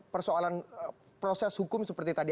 persoalan proses hukum seperti tadi